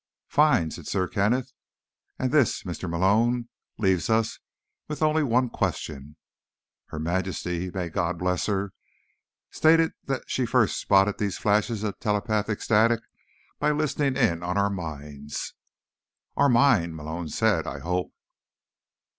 "Fine," said Sir Kenneth. "And this, Mr. Malone, leaves us with only one question. Her Majesty—may God bless her—stated that she first spotted these flashes of telepathic static by listening in on our minds." "Our mind," Malone said. "I hope."